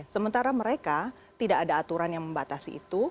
sementara mereka tidak ada aturan yang membatasi itu